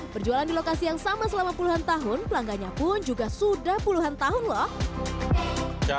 berjualan di lokasi yang sama selama puluhan tahun pelanggannya pun juga sudah puluhan tahun loh